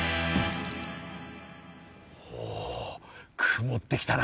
お曇ってきたな。